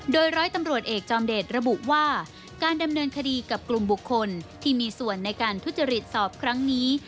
โดยร้อยตำรวจเอกจอมเดชระบุว่าการดำเนินคดีกับกลุ่มบุคคลที่มีส่วนในการทุจริตสอบครั้งนี้